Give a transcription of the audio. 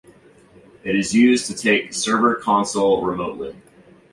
It is used to take the server console remotely.